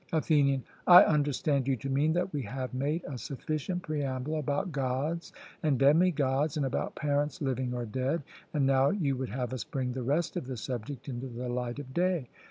ATHENIAN: I understand you to mean that we have made a sufficient preamble about Gods and demigods, and about parents living or dead; and now you would have us bring the rest of the subject into the light of day?